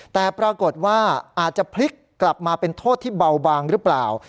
แต่ปรากฏว่าอาจจะพลิกกลับมาเป็นโทษที่เบาบางหรือเปล่า